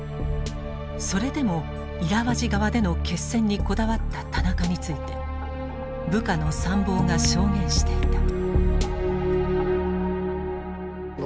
それでもイラワジ河での決戦にこだわった田中について部下の参謀が証言していた。